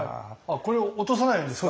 これを落とさないようにですか？